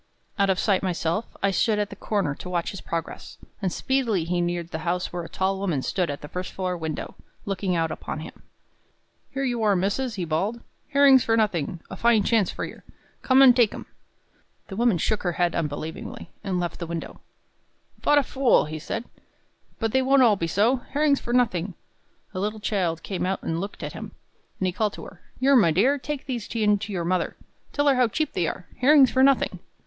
Out of sight myself, I stood at the corner to watch his progress; and speedily he neared the house where a tall woman stood at the first floor window, looking out upon him. "Here you are, missus," he bawled, "herrings for nothing! A fine chance for yer! Come an' take 'em." The woman shook her head unbelievingly, and left the window. "Vot a fool!" said he. "But they won't be all so. Herrings for nothing!" A little child came out to look at him, and he called to her, "Yer, my dear, take these in to your mother. Tell her how cheap they are herrings for nothing."